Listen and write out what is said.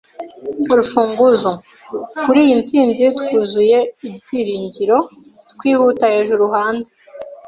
urufunguzo. Kuri iyi ntsinzi twuzuye ibyiringiro twihuta hejuru hanze